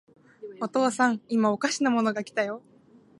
お父さん、いまおかしなものが来たよ。